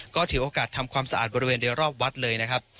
ก็ถือโอกาสทำความสะอาดบริเวณโดยรอบวัดเลยนะครับ